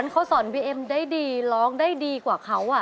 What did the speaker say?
เขาสอนบีเอ็มได้ดีร้องได้ดีกว่าเขา